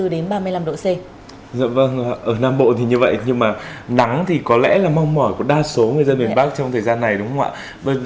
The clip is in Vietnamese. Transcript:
ở nam bộ thì như vậy nhưng mà nắng thì có lẽ là mong mỏi của đa số người dân miền bắc trong thời gian này đúng không ạ